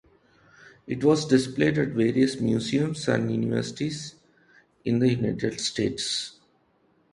It was displayed at various museums and universities in the United States.